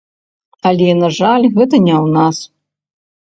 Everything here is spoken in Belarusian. Але, на жаль, гэта не ў нас.